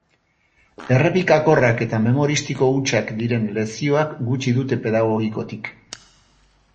Errepikakorrak eta memoristiko hutsak diren lezioak gutxi dute pedagogikotik.